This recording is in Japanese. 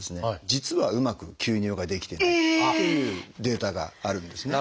実はうまく吸入ができてないっていうデータがあるんですね。